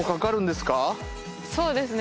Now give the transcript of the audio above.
そうですね。